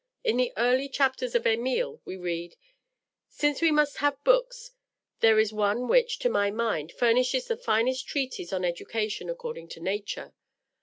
In the early chapters of "Emile" we read: "Since we must have books, there is one which, to my mind, furnishes the finest treatise on Education according to nature.